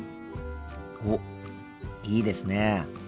おっいいですね。